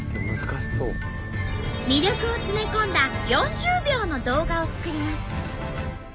魅力を詰め込んだ４０秒の動画を作ります。